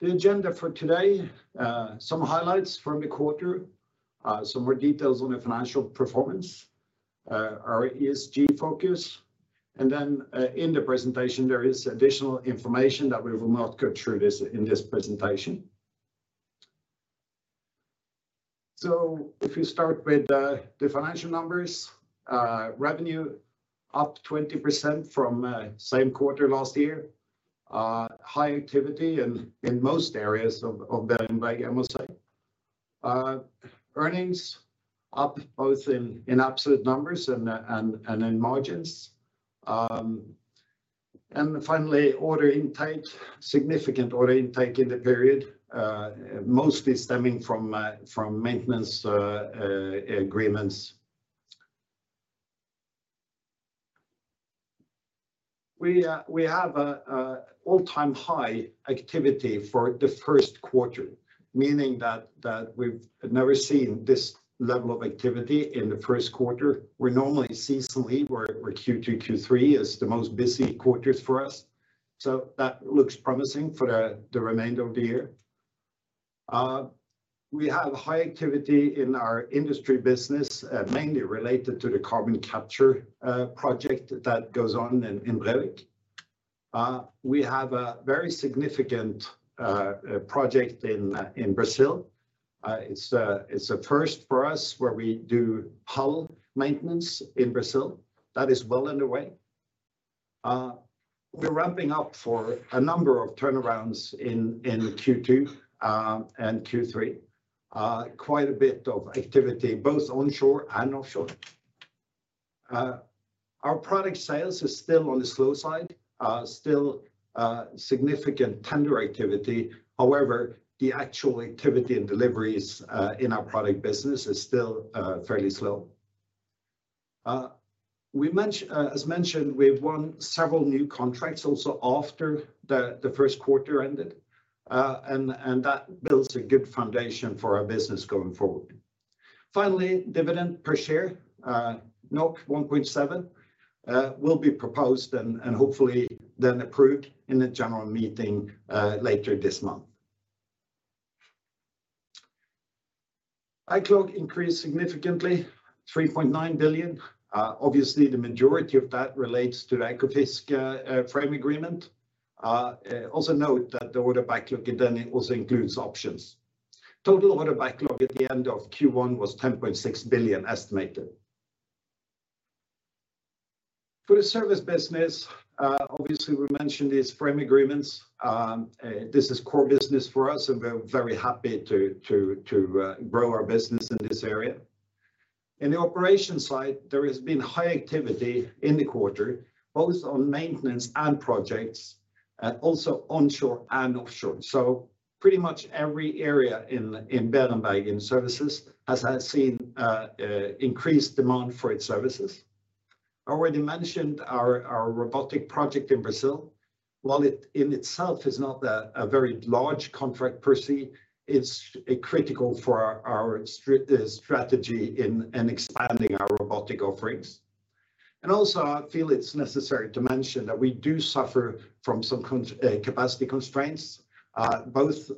The agenda for today, some highlights from the quarter, some more details on the financial performance, our ESG focus, and then, in the presentation, there is additional information that we will not go through in this presentation. So if you start with the financial numbers, revenue up 20% from same quarter last year. High activity in most areas of Beerenberg, I must say. Earnings up both in absolute numbers and in margins. And finally, order intake, significant order intake in the period, mostly stemming from maintenance agreements. We have an all-time high activity for the first quarter, meaning that we've never seen this level of activity in the first quarter. We normally seasonally, where Q2, Q3 is the most busy quarters for us, so that looks promising for the remainder of the year. We have high activity in our industry business, mainly related to the carbon capture project that goes on in Brevik. We have a very significant project in Brazil. It's a first for us where we do hull maintenance in Brazil. That is well underway. We're ramping up for a number of turnarounds in Q2 and Q3. Quite a bit of activity, both onshore and offshore. Our product sales is still on the slow side, still significant tender activity. However, the actual activity and deliveries in our product business is still fairly slow. As mentioned, we've won several new contracts also after the first quarter ended, and that builds a good foundation for our business going forward. Finally, dividend per share, 1.7, will be proposed and hopefully then approved in the general meeting later this month. Backlog increased significantly, 3.9 billion. Obviously, the majority of that relates to the Ekofisk frame agreement. Also note that the order backlog then also includes options. Total order backlog at the end of Q1 was 10.6 billion estimated. For the service business, obviously, we mentioned these frame agreements. This is core business for us, and we're very happy to grow our business in this area. In the operation side, there has been high activity in the quarter, both on maintenance and projects, also onshore and offshore. So pretty much every area in Beerenberg Services has had seen increased demand for its services. I already mentioned our robotic project in Brazil. While it in itself is not a very large contract per se, it's critical for our strategy in expanding our robotic offerings. And also, I feel it's necessary to mention that we do suffer from some capacity constraints, both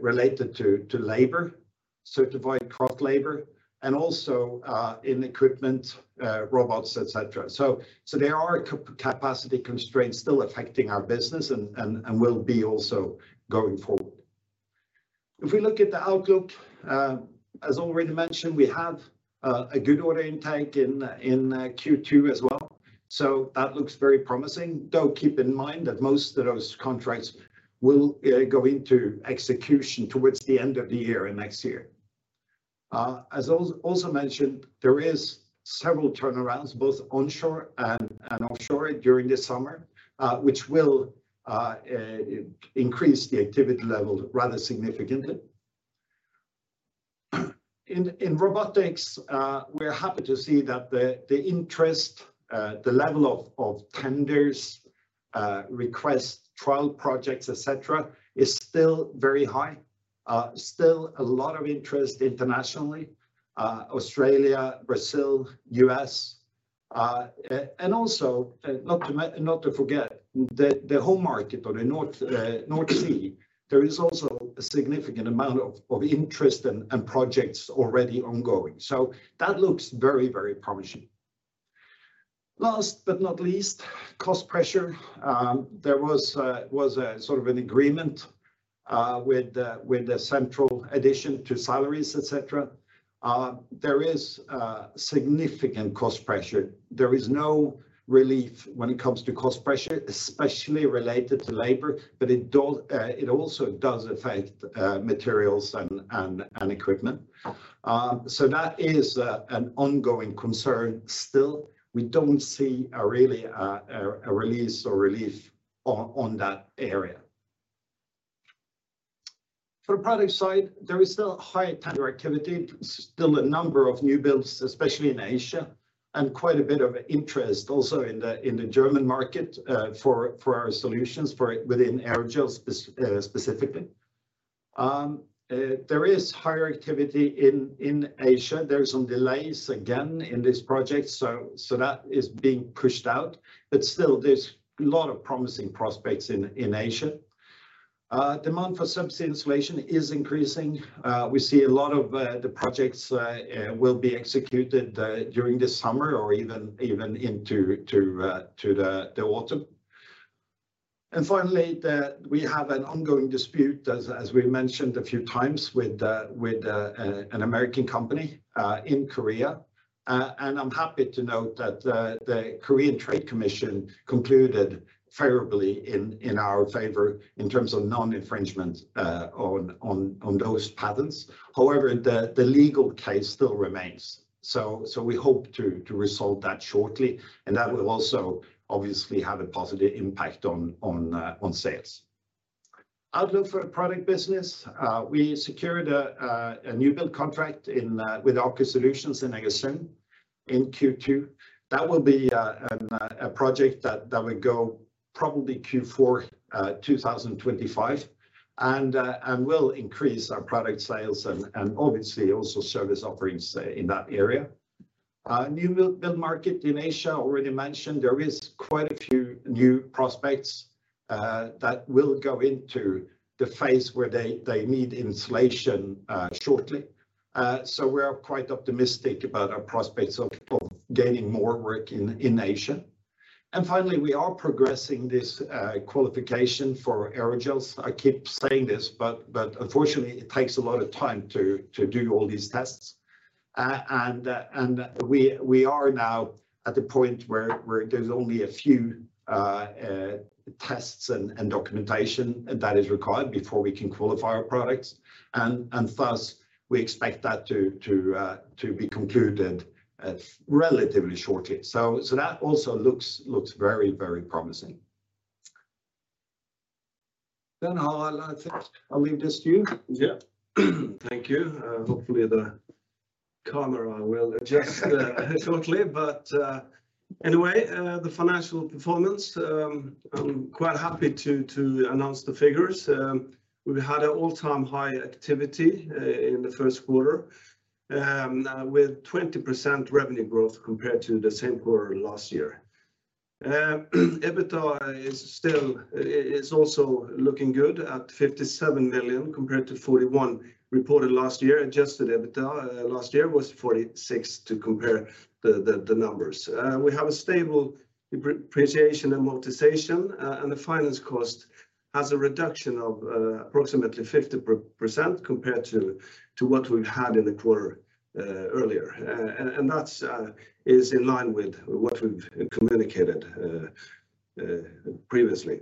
related to labor, certified cross labor, and also in equipment, robots, et cetera. So there are capacity constraints still affecting our business and will be also going forward. If we look at the outlook, as already mentioned, we have a good order intake in Q2 as well, so that looks very promising. Though, keep in mind that most of those contracts will go into execution towards the end of the year and next year. As also mentioned, there is several turnarounds, both onshore and offshore during the summer, which will increase the activity level rather significantly. In robotics, we're happy to see that the interest, the level of tenders, requests, trial projects, et cetera, is still very high. Still a lot of interest internationally, Australia, Brazil, U.S, and also, not to forget, the home market on the North Sea, there is also a significant amount of interest and projects already ongoing, so that looks very, very promising. Last but not least, cost pressure. There was a sort of an agreement with the central addition to salaries, et cetera. There is significant cost pressure. There is no relief when it comes to cost pressure, especially related to labor, but it does, it also does affect materials and equipment. So that is an ongoing concern still. We don't see a really a release or relief on that area. For the product side, there is still high tender activity, still a number of new builds, especially in Asia, and quite a bit of interest also in the German market for our solutions within aerogel specifically. There is higher activity in Asia. There is some delays again in this project, so that is being pushed out, but still there's a lot of promising prospects in Asia. Demand for subsea insulation is increasing. We see a lot of the projects will be executed during the summer or even into the autumn. And finally, we have an ongoing dispute, as we mentioned a few times, with an American company in Korea. And I'm happy to note that the Korean Trade Commission concluded favorably in our favor in terms of non-infringement on those patents. However, the legal case still remains, so we hope to resolve that shortly, and that will also obviously have a positive impact on sales. Outlook for product business, we secured a new build contract with Aker Solutions in Ekofisk in Q2. That will be a project that will go probably Q4 2025, and will increase our product sales and obviously also service offerings in that area. New build market in Asia, already mentioned, there is quite a few new prospects that will go into the phase where they need insulation shortly. So we are quite optimistic about our prospects of gaining more work in Asia. And finally, we are progressing this qualification for aerogels. I keep saying this, but unfortunately, it takes a lot of time to do all these tests. And we are now at the point where there's only a few tests and documentation that is required before we can qualify our products. And thus, we expect that to be concluded relatively shortly. So that also looks very promising. Then, Harald think I'll leave this to you. Yeah. Thank you. Hopefully the camera will adjust shortly. But anyway, the financial performance, I'm quite happy to announce the figures. We had an all-time high activity in the first quarter with 20% revenue growth compared to the same quarter last year. EBITDA is also looking good at 57 million, compared to 41 million reported last year. Adjusted EBITDA last year was 46 million, to compare the numbers. We have a stable depreciation amortization, and the finance cost has a reduction of approximately 50% compared to what we had in the quarter earlier. And that's is in line with what we've communicated previously.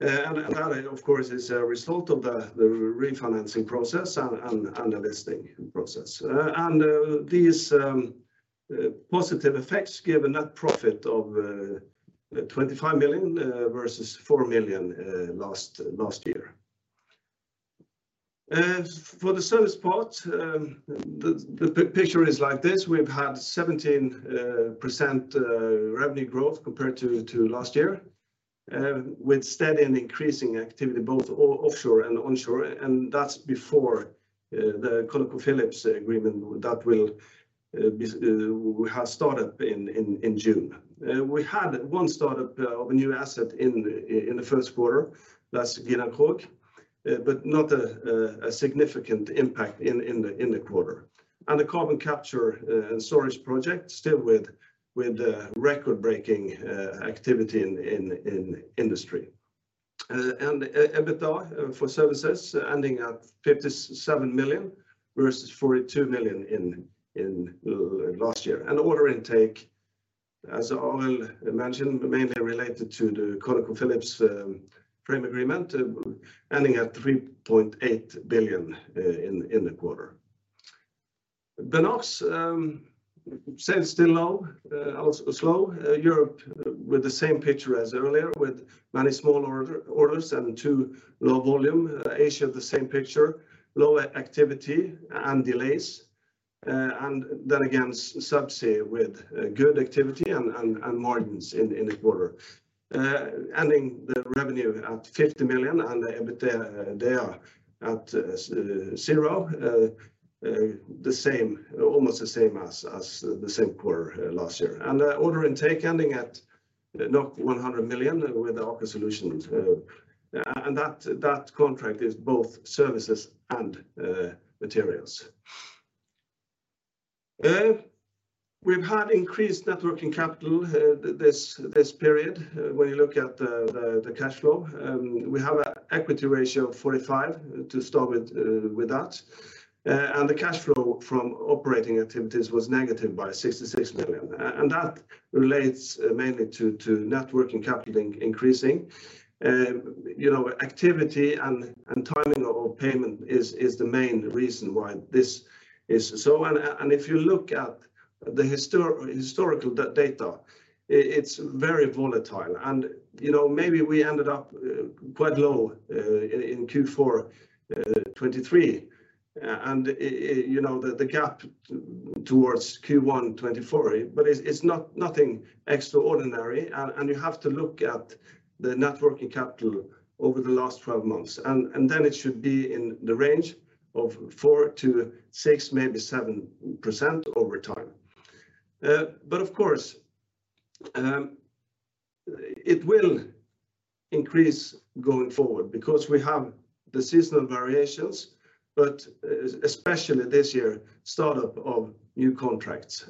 And that, of course, is a result of the refinancing process and the listing process. And these positive effects give a net profit of 25 million versus 4 million last year. And for the service part, the picture is like this: we've had 17% revenue growth compared to last year with steady and increasing activity both offshore and onshore, and that's before the ConocoPhillips agreement that we have started in June. We had one start-up of a new asset in the first quarter, that's Gina Krog, but not a significant impact in the quarter. And the carbon capture and storage project, still with record-breaking activity in industry. And EBITDA for services ending at 57 million versus 42 million in last year. Order intake, as Harald mentioned, mainly related to the ConocoPhillips frame agreement, ending at 3.8 billion in the quarter. The Benarx sales still low, also slow. Europe with the same picture as earlier, with many small orders and too low volume. Asia, the same picture, low activity and delays. And then again, Subsea with good activity and margins in the quarter. Ending the revenue at 50 million and the EBITDA at 0, almost the same as the same quarter last year. And order intake ending at 100 million with Aker Solutions. And that contract is both services and materials. We've had increased net working capital this period. When you look at the cash flow, we have an equity ratio of 45, to start with, with that. And the cash flow from operating activities was negative by 66 million, and that relates mainly to net working capital increasing. You know, activity and timing of payment is the main reason why this is so. And if you look at the historical data, it's very volatile. You know, maybe we ended up quite low in Q4 2023. And it, you know, the gap towards Q1 2024, but it's nothing extraordinary, and you have to look at the net working capital over the last 12 months, and then it should be in the range of 4%-6%, maybe 7% over time. But of course, it will increase going forward because we have the seasonal variations, but especially this year, start up of new contracts.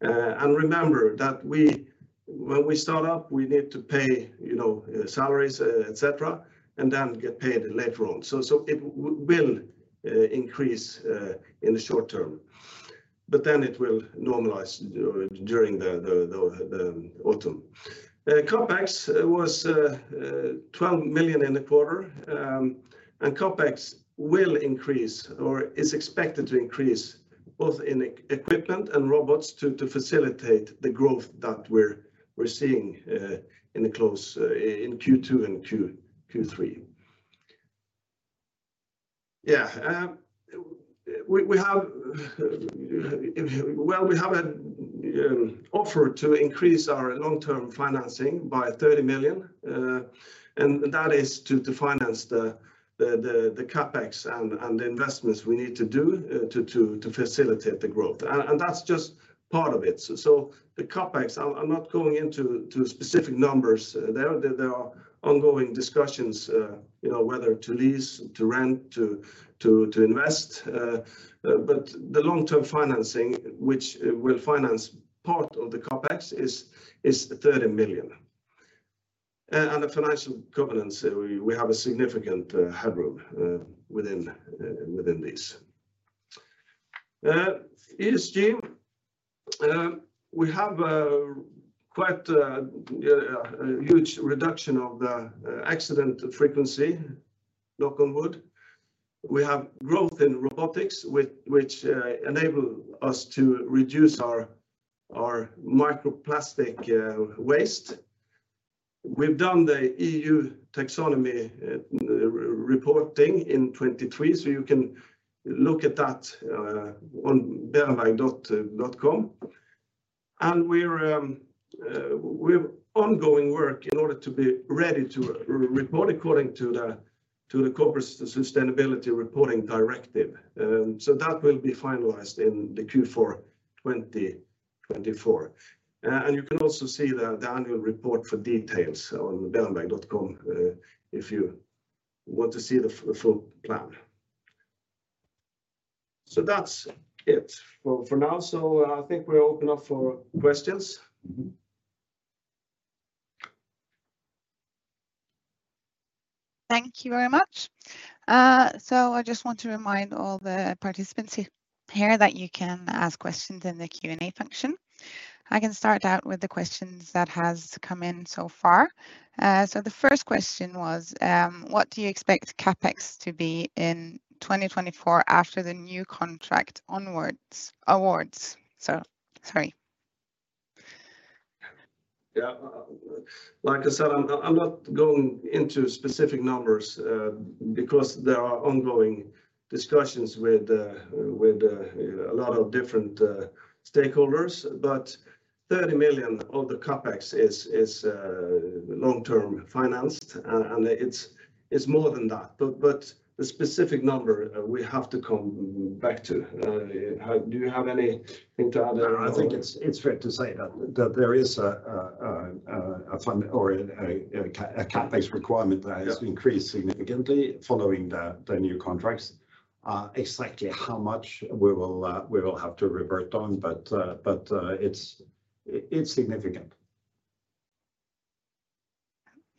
And remember that when we start up, we need to pay, you know, salaries, et cetera, and then get paid later on. So it will increase in the short term, but then it will normalize during the autumn. CapEx was 12 million in the quarter. And CapEx will increase or is expected to increase both in equipment and robots to facilitate the growth that we're seeing in the close in Q2 and Q3. Yeah, we have... Well, we have an offer to increase our long-term financing by 30 million, and that is to finance the CapEx and the investments we need to do to facilitate the growth. And that's just part of it. So the CapEx, I'm not going into specific numbers, there are ongoing discussions, you know, whether to lease, to rent, to invest. But the long-term financing, which will finance part of the CapEx is 30 million. And the financial governance, we have a significant headroom within this. ESG, we have quite a huge reduction of the accident frequency, knock on wood. We have growth in robotics, which enable us to reduce our microplastic waste. We've done the EU Taxonomy reporting in 2023, so you can look at that on beerenberg.com. And we're ongoing work in order to be ready to report according to the Corporate Sustainability Reporting Directive. So that will be finalized in the Q4 2024. And you can also see the annual report for details on beerenberg.com, if you want to see the full plan. So that's it for now. So I think we're open up for questions. Mm-hmm. Thank you very much. So I just want to remind all the participants here that you can ask questions in the Q&A function. I can start out with the questions that has come in so far. So the first question was: What do you expect CapEx to be in 2024 after the new contract onwards-awards? So sorry. Yeah, like I said, I'm, I'm not going into specific numbers, because there are ongoing discussions with, with, a lot of different, stakeholders, but 30 million of the CapEx is, is, long-term financed, and it's, it's more than that, but, but the specific number, we have to come back to. Do you have anything to add? No, I think it's fair to say that there is a fund or a CapEx requirement- Yeah... that has increased significantly following the new contracts. Exactly how much we will have to revert on, but it's significant.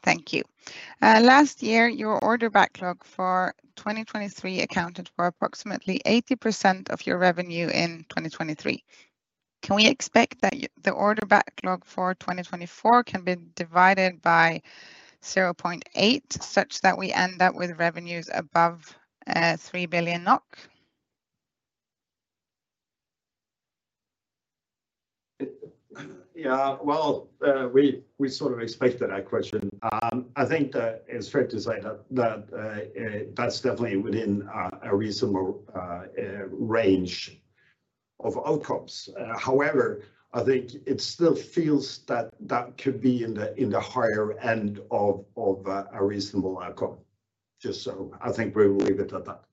Thank you. Last year, your order backlog for 2023 accounted for approximately 80% of your revenue in 2023. Can we expect that the order backlog for 2024 can be divided by 0.8, such that we end up with revenues above 3 billion NOK? Yeah, well, we sort of expected that question. I think that it's fair to say that that's definitely within a reasonable range of outcomes. However, I think it still feels that that could be in the higher end of a reasonable outcome. Just so I think we will leave it at that.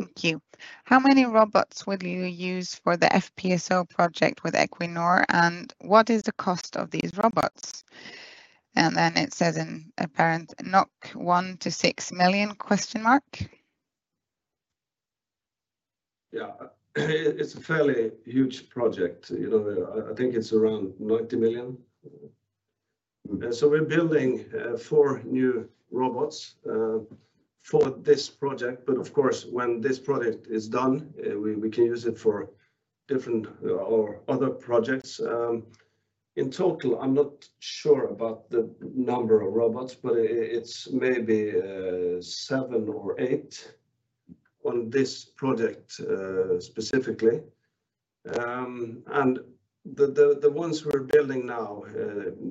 Yeah. Thank you. How many robots will you use for the FPSO project with Equinor, and what is the cost of these robots? And then it says in parentheses NOK, 1 million-6 million? Yeah, it's a fairly huge project. You know, I, I think it's around 90 million. So we're building four new robots for this project, but of course, when this project is done, we can use it for different or other projects. In total, I'm not sure about the number of robots, but it's maybe seven or eight on this project specifically. And the ones we're building now,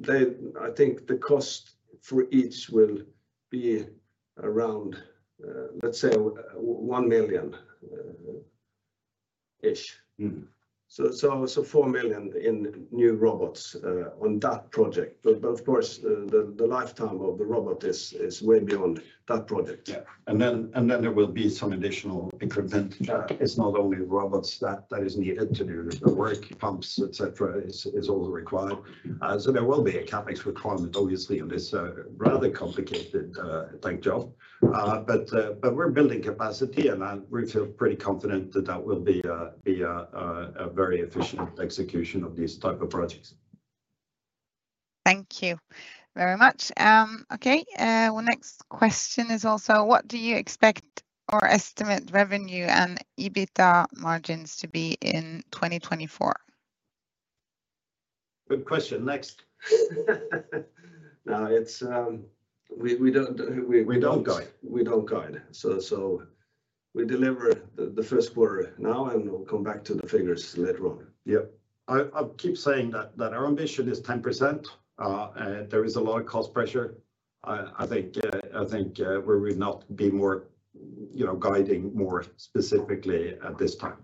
I think the cost for each will be around, let's say 1 million. ...-ish. Mm-hmm. So 4 million in new robots on that project. But of course, the lifetime of the robot is way beyond that project. Yeah. And then there will be some additional increment. Yeah. It's not only robots that is needed to do the work, pumps, et cetera, is also required. So there will be a CapEx requirement, obviously, on this rather complicated tank job. But we're building capacity, and we feel pretty confident that that will be a very efficient execution of these type of projects. Thank you very much. Okay, next question is also: What do you expect or estimate revenue and EBITDA margins to be in 2024? Good question. Next. No, it's. We don't- We don't guide. We don't guide, so we deliver the first quarter now, and we'll come back to the figures later on. Yep. I keep saying that our ambition is 10%, and there is a lot of cost pressure. I think we will not be more, you know, guiding more specifically at this time.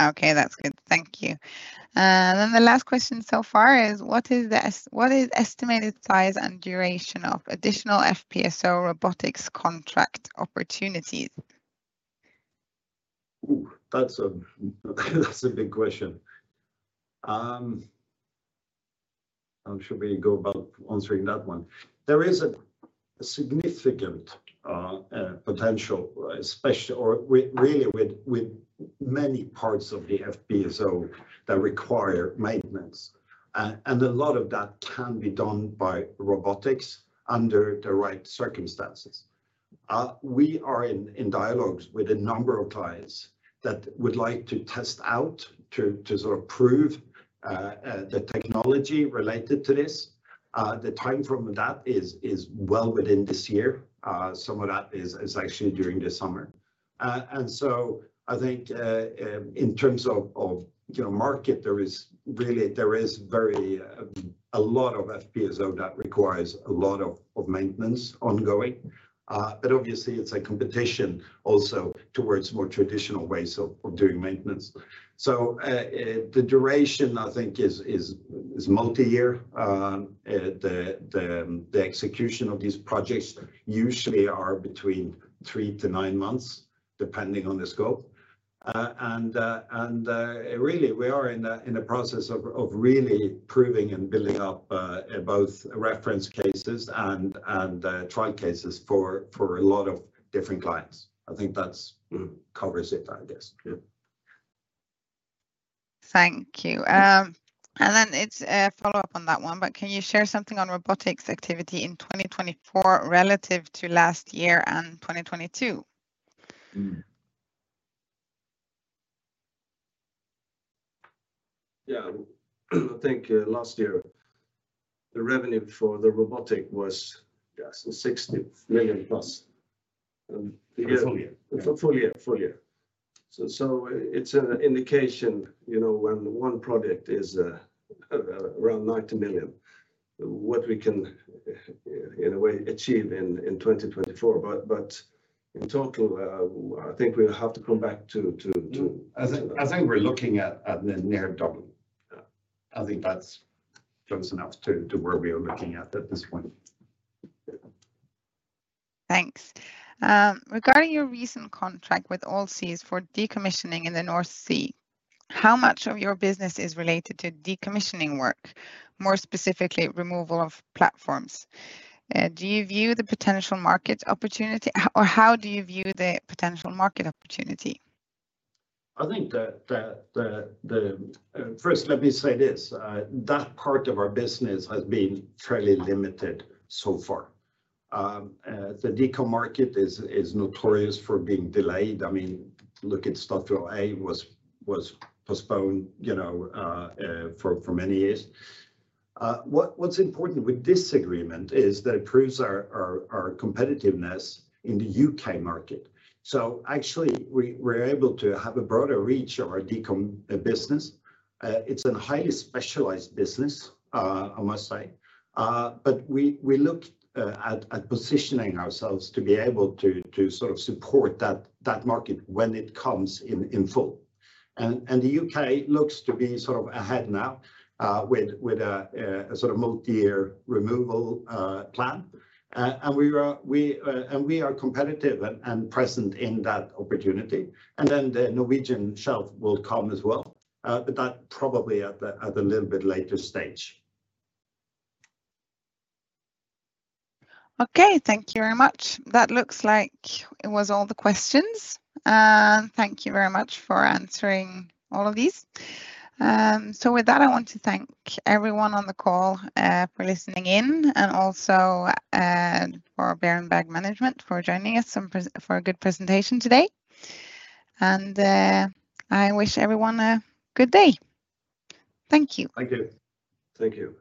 Okay, that's good. Thank you. Then the last question so far is: what is estimated size and duration of additional FPSO robotics contract opportunities? Ooh, that's a... That's a big question. How should we go about answering that one? There is a significant potential, especially really with many parts of the FPSO that require maintenance, and a lot of that can be done by robotics under the right circumstances. We are in dialogues with a number of clients that would like to test out to sort of prove the technology related to this. The time from that is well within this year. Some of that is actually during the summer. And so I think, in terms of, you know, market, there is really a lot of FPSO that requires a lot of maintenance ongoing. But obviously, it's a competition also towards more traditional ways of doing maintenance. So, the duration, I think is multi-year. The execution of these projects usually are between 3-9 months, depending on the scope. Really, we are in a process of really proving and building up both reference cases and trial cases for a lot of different clients. I think that's- Mm... covers it, I guess. Yeah. Thank you. And then it's a follow-up on that one, but can you share something on robotics activity in 2024 relative to last year and 2022? Mm. I think last year, the revenue for the robotics was so NOK 60 million plus. Full year. Full year. Full year. So, so it's an indication, you know, when one project is around 90 million, what we can, in a way, achieve in 2024. But, but in total, I think we'll have to come back to, to, to- I think we're looking at the near double. Yeah. I think that's close enough to where we are looking at this point. Thanks. Regarding your recent contract with Allseas for decommissioning in the North Sea, how much of your business is related to decommissioning work, more specifically, removal of platforms? Do you view the potential market opportunity... Or how do you view the potential market opportunity? I think that the first let me say this: that part of our business has been fairly limited so far. The decom market is notorious for being delayed. I mean, look at Statfjord A was postponed, you know, for many years. What's important with this agreement is that it proves our competitiveness in the U.K market. So actually, we're able to have a broader reach of our deco business. It's a highly specialized business, I must say. But we looked at positioning ourselves to be able to sort of support that market when it comes in full. And the UK looks to be sort of ahead now, with a sort of multi-year removal plan. And we are competitive and present in that opportunity. And then the Norwegian shelf will come as well, but that probably at a little bit later stage. Okay, thank you very much. That looks like it was all the questions. And thank you very much for answering all of these. So with that, I want to thank everyone on the call for listening in, and also for Beerenberg management for joining us and for a good presentation today. I wish everyone a good day. Thank you. Thank you. Thank you.